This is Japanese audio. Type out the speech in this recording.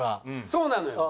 そうなのよ。